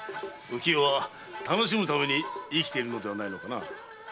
浮き世は楽しむために生きているのではないのかな？